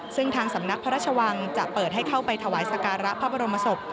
ซึ่งทางสำนักพระราชวังจะเปิดให้เข้าไปถวายสการะพระบรมศพ